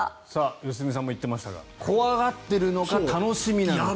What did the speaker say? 良純さんも言っていましたが怖がっているのか楽しみなのか。